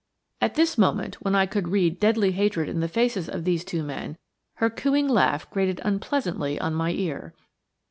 At this moment, when I could read deadly hatred in the faces of these two men, her cooing laugh grated unpleasantly on my ear.